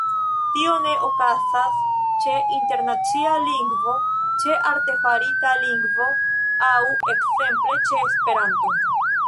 Tio ne okazas ĉe internacia lingvo, ĉe artefarita lingvo aŭ ekzemple ĉe Esperanto.